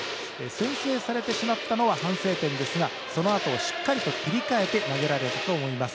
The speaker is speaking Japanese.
先制されてしまったのは反省点ですがそのあとをしっかりと切り替えて投げられたと思います。